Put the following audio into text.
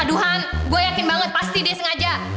aduhan gue yakin banget pasti dia sengaja